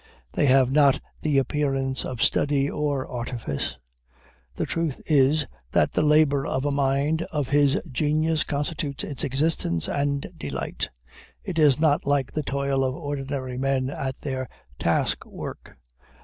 They have not the appearance of study or artifice. The truth is, that the labor of a mind of his genius constitutes its existence and delight. It is not like the toil of ordinary men at their task work.